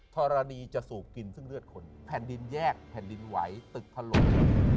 ธรณีจะสูบกินซึ่งเลือดขนแผ่นดินแยกแผ่นดินไหวตึกถล่ม